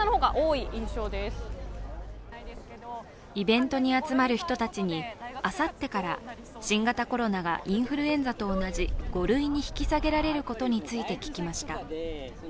イベントに集まる人たちにあさってから新型コロナがインフルエンザと同じ５類に引き下げられることについて聞きました。